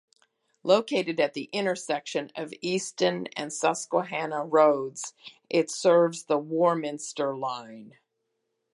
Located at the intersection of Easton and Susquehanna Roads, it serves the Warminster Line.